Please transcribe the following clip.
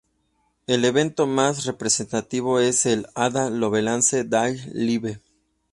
El evento más representativo es el "Ada Lovelace Day Live!